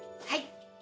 はい。